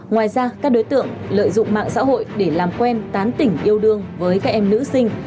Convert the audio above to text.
ngoài ra các đối tượng lợi dụng mạng xã hội để làm quen tán tỉnh yêu đương với các em nữ sinh